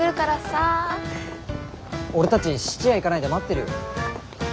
俺たち質屋行かないで待ってる。